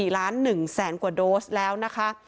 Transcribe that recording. ๔ล้าน๑แสนกว่าโดสแล้วนะคะ